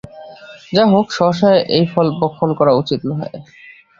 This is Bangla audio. যাহা হউক, সহসা এই ফল ভক্ষণ করা উচিত নহে।